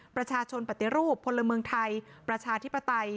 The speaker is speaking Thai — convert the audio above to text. ประชาชนปฏิรูปพลเมืองไทยประชาธิปไตย